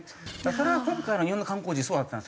それは今回日本の観光地そうだったんですよ。